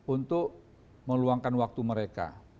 untuk meluangkan waktu mereka